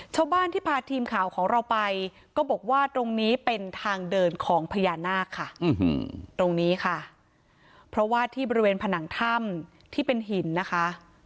ชาวบ้านที่พาทีมข่าวของเราไปก็บอกว่าตรงนี้เป็นทางเดินของพญานาคค่ะตรงนี้ค่ะเพราะว่าที่บริเวณผนังถ้ำที่เป็นหินนะคะ